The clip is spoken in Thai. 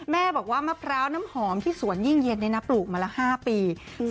แม่บอกว่ามะพร้าวน้ำหอมที่สวนยิ่งเย็นปลูกมาละ๕ปี